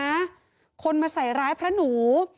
คนมาใส่ร้ายพระหนู